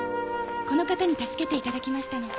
この方に助けていただきましたの。